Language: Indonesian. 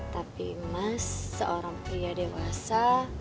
tapi mas seorang pria dewasa